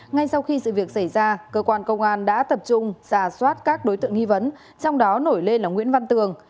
ngay sau khi sự việc xảy ra cơ quan công an đã tập trung giả soát các đối tượng nghi vấn trong đó nổi lên là nguyễn văn tường